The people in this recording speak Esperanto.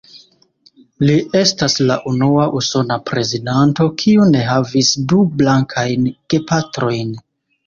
Li estas la unua usona prezidanto kiu ne havis du blankajn gepatrojn.